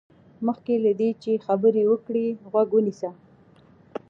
مخکې له دې چې خبرې وکړې، غوږ ونيسه.